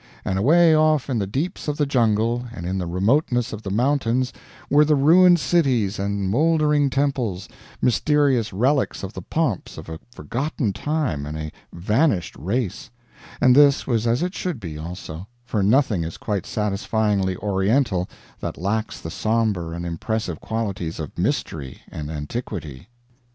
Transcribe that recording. And away off in the deeps of the jungle and in the remotenesses of the mountains were the ruined cities and mouldering temples, mysterious relics of the pomps of a forgotten time and a vanished race and this was as it should be, also, for nothing is quite satisfyingly Oriental that lacks the somber and impressive qualities of mystery and antiquity.